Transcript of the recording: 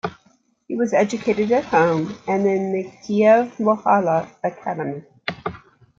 He was educated at home and in the Kiev-Mohyla Academy.